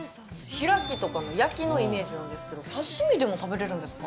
開きとかの焼きのイメージなんですけど刺身でも食べれるんですか？